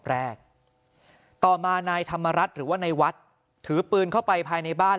แรกต่อมานายธรรมรัฐหรือว่านายวัดถือปืนเข้าไปภายในบ้าน